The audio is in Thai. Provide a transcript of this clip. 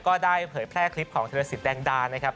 ก็ได้เผยแพร่คลิปของธีรสิทธิแดงดานะครับ